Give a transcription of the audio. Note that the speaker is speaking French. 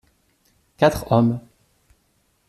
Quatre hommes.